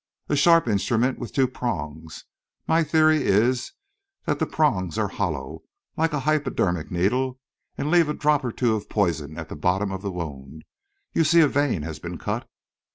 "A sharp instrument, with two prongs. My theory is that the prongs are hollow, like a hypodermic needle, and leave a drop or two of poison at the bottom of the wound. You see a vein has been cut."